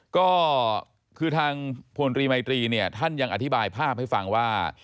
ก็คือทางพลตรีมัยตรีเนี่ยท่านยังอธิบายภาพให้ฟังว่า